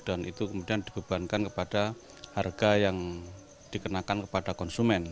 dan itu kemudian dibebankan kepada harga yang dikenakan kepada konsumen